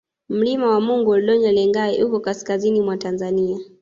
Mlima wa Mungu Ol Doinyo Lengai uko kaskazini mwa Tanzania